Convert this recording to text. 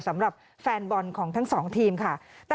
สำหรับแฟนบอลของทั้งสองทีมค่ะ